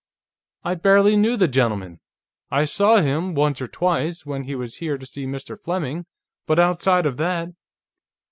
"I barely knew the gentleman. I saw him, once or twice, when he was here to see Mr. Fleming, but outside of that...."